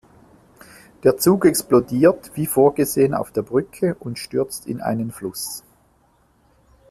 Der Zug explodiert wie vorgesehen auf der Brücke und stürzt in einen Fluss.